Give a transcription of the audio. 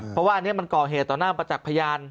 เพราะว่าอันนี้มันก่อเหตุต่อหน้าประจักษ์พยาน